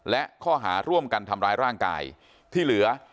และข้อหาร่วมกันทำร้ายร่างกายที่เหลือ